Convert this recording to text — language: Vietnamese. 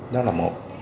đó là một